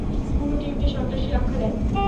পুরো টিমকে সন্ত্রাসী আখ্যা দেয়।